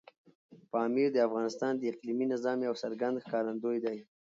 پامیر د افغانستان د اقلیمي نظام یو څرګند ښکارندوی دی.